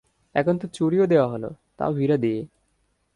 এখন তো চুড়িও দেওয়া হলো, তাও হীরা দিয়ে।